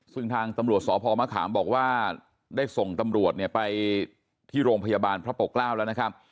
ซึ่งทางตำรวจสพมะขามบอกว่าได้ส่งตำรวจเนี่ยไปที่โรงพยาบาลพระปกเกล้าแล้วนะครับ